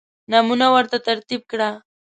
نمونه ورته ترتیب کړه.